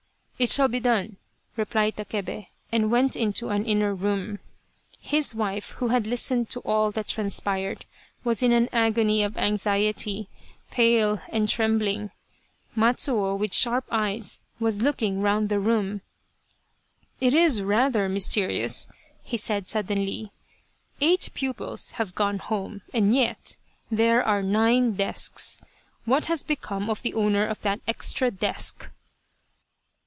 " It shall be done !" replied Takebe, and went into an inner room. His wife, who had listened to all that transpired, was in an agony of anxiety, pale and trembling. Matsuo, with sharp eyes, was looking round the room. " It is rather mysterious," he said, suddenly, " eight pupils have gone home, and yet, there are nine desks. What has become of the owner of that extra desk